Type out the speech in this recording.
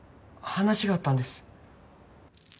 話があったんです。